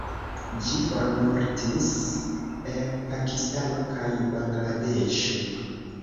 Ĝi formortis el Pakistano kaj Bangladeŝo.